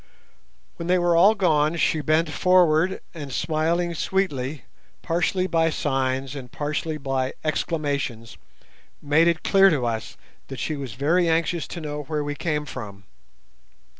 When they were all gone she bent forward and, smiling sweetly, partially by signs and partially by exclamations made it clear to us that she was very anxious to know where we came from.